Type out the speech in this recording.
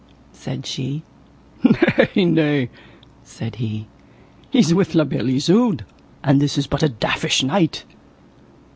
said she. Nay, nay, said he, he is with La Beale Isoud, and this is but a daffish knight.